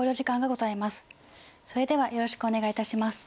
それではよろしくお願いいたします。